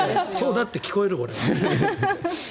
そうだって聞こえる。